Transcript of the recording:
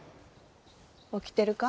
起きてるか？